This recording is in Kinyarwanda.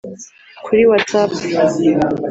Kuri WhatsApp